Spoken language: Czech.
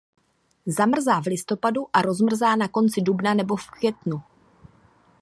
Zamrzá v listopadu a rozmrzá na konci dubna nebo v květnu.